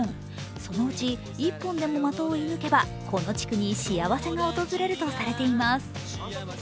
そのうち、１本でも的を射ぬけばこの地区に幸せが訪れるとされています。